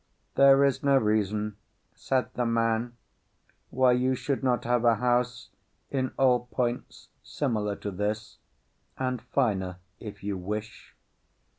"There is no reason," said the man, "why you should not have a house in all points similar to this, and finer, if you wish.